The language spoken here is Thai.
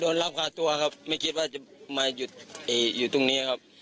โดยรับหลักพาตัวครับไม่คิดว่ามายุดตรงนี้ครับ